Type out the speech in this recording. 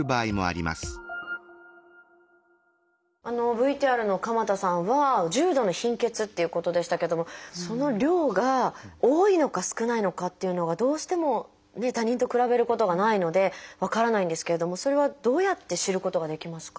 ＶＴＲの鎌田さんは重度の貧血っていうことでしたけどもその量が多いのか少ないのかっていうのがどうしてもね他人と比べることがないので分からないんですけれどもそれはどうやって知ることができますか？